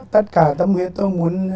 tất cả tâm huyết tôi muốn